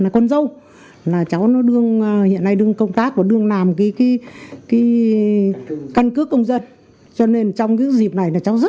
con dâu cháu hiện nay đương công tác và đương làm cái căn cước công dân cho nên trong cái dịp này cháu rất bận